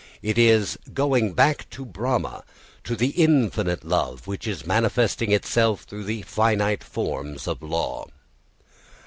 It is going back to Brahma, to the infinite love, which is manifesting itself through the finite forms of law.